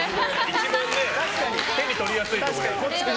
一番、手に取りやすいところにあった。